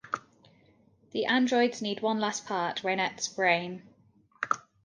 The androids need one last part; Reinette's brain.